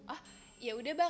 ah ya udah bang